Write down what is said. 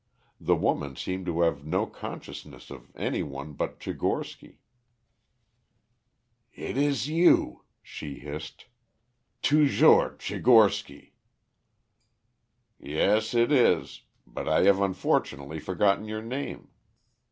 The woman seemed to have no consciousness of any one but Tchigorsky. "It is you," she hissed. "Toujours Tchigorsky." "Yes, it is I. But I have unfortunately forgotten your name.